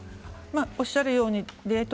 おっしゃるようにデート